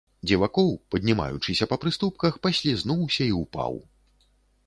Дзівакоў, паднімаючыся па прыступках, паслізнуўся і ўпаў.